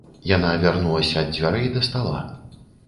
Яна вярнулася ад дзвярэй да стала.